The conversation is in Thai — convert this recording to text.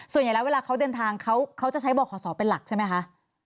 ส่วนใหญ่แล้วเวลาเขาเดินทางเขาจะใช้บ่อขอสอเป็นหลักใช่ไหมคะ